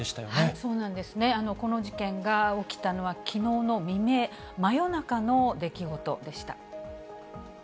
そうなんですね、この事件が起きたのはきのうの未明、真夜中の出来事でした。